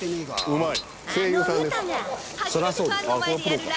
［うまい］